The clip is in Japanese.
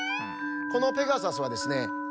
このペガサスはですね